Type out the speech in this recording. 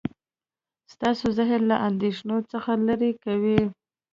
ستاسو ذهن له اندیښنو څخه لرې کوي.